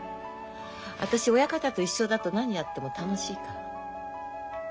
私親方と一緒だと何やっても楽しいから。